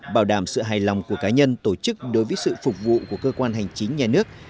bảo đảm sự hài lòng của cá nhân tổ chức đối với sự phục vụ của cơ quan hành chính nhà nước